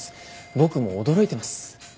僕も驚いてます。